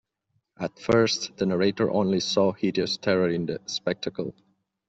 At first the narrator only saw hideous terror in the spectacle.